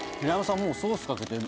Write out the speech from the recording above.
もうソースかけて。